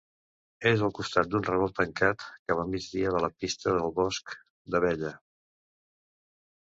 És al costat d'un revolt tancat cap a migdia de la pista del Bosc d'Abella.